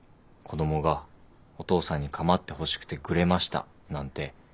子供がお父さんに構ってほしくてぐれましたなんて